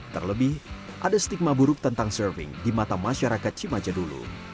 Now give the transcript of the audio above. terlebih ada stigma buruk tentang surfing di mata masyarakat cimaja dulu